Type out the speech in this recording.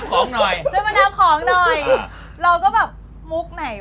เราก็แบบมุ่กไหน